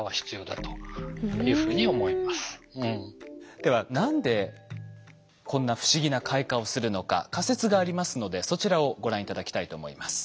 では何でこんな不思議な開花をするのか仮説がありますのでそちらをご覧頂きたいと思います。